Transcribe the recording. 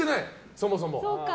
そもそも。